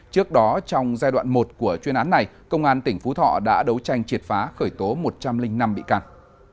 trước đó trong giai đoạn một của chuyên án này công an tỉnh phú thọ đã đấu tranh triệt phá khởi tố một trăm linh năm bị can